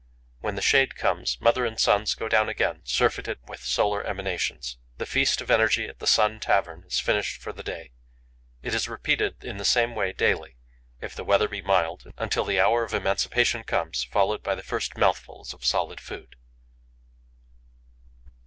When the shade comes, mother and sons go down again, surfeited with solar emanations. The feast of energy at the Sun Tavern is finished for the day. It is repeated in the same way daily, if the weather be mild, until the hour of emancipation comes, followed by the first mouthfuls of solid food.